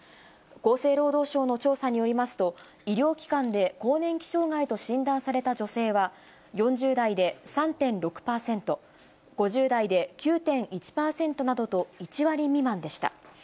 厚生労働省の調査によりますと、医療機関で更年期障害と診断された女性は、４０代で３．６％、５０代で９．１％などと、１割未満でした。